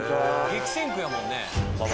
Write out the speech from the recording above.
激戦区やもんね